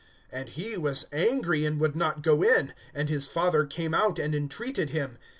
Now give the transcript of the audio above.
(28)And he was angry, and would not go in; and his father came out, and entreated him.